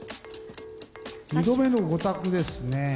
２度目の５択ですね。